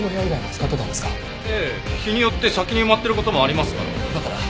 日によって先に埋まってる事もありますから。